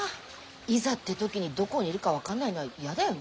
いざって時にどこにいるか分かんないのは嫌だよね？